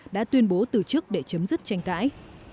đã tuyên bố từ chức để chấm dứt tranh cãi